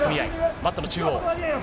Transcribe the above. マットの中央。